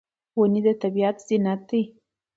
ونې د طبیعت زینت دي.